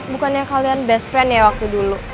bukannya kalian best friend ya waktu dulu